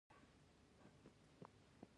شخړې به پر خونړي انقلاب بدلېږي.